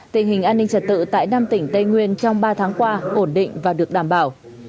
tình hình an ninh trật tự tại năm tỉnh tây nguyên trong ba tháng qua ổn định và được đảm bảo